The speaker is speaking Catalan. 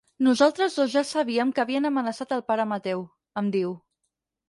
Nosaltres dos ja sabíem que havien amenaçat el pare Mateu —em diu—.